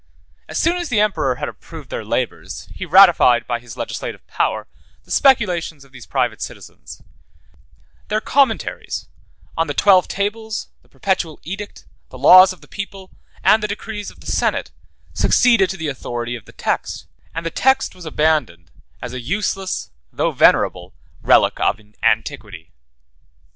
As soon as the emperor had approved their labors, he ratified, by his legislative power, the speculations of these private citizens: their commentaries, on the twelve tables, the perpetual edict, the laws of the people, and the decrees of the senate, succeeded to the authority of the text; and the text was abandoned, as a useless, though venerable, relic of antiquity.